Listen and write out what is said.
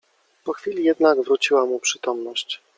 Po chwili jednak wróciła mu przytomność.